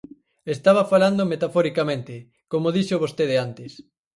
Estaba falando metaforicamente, como dixo vostede antes.